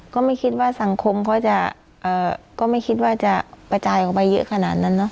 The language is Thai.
ก็ไม่คิดว่าสังคมเขาจะก็ไม่คิดว่าจะกระจายออกไปเยอะขนาดนั้นเนาะ